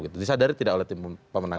tersadari tidak oleh tim pemenangan